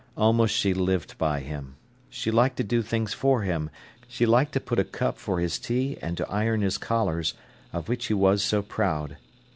Almost she lived by him. She liked to do things for him: she liked to put a cup for his tea and to iron his collars, of which he was so proud.